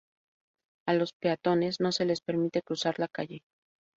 A los peatones no se les permite cruzar la calle.